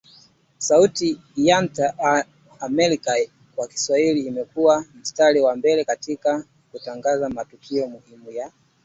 Sauti tya Amerika kwa Kiswahili imekua mstari wa mbele katika kutangaza matukio muhimu ya